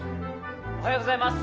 おはようございます